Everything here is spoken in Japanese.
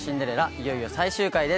いよいよ最終回です。